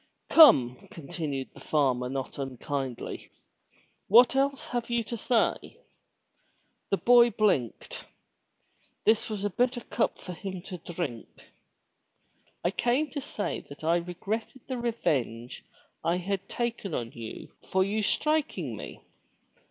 Come,'* continued the farmer not unkindly, what else have you to say?'* The boy blinked. This was a bitter cup for him to drink. *'I came to say that I regretted the revenge I had taken on you for you striking me.